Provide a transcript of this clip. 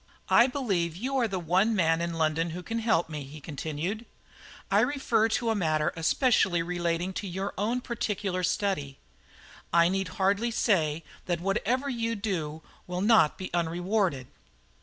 "I believe you are the one man in London who can help me," he continued. "I refer to a matter especially relating to your own particular study. I need hardly say that whatever you do will not be unrewarded."